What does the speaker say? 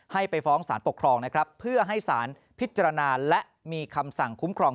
ให้ไปฟ้องสารปกครอง